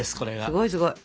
すごいすごい。